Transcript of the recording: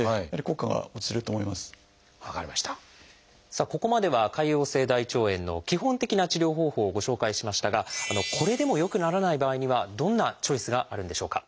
さあここまでは潰瘍性大腸炎の基本的な治療方法をご紹介しましたがこれでも良くならない場合にはどんなチョイスがあるんでしょうか？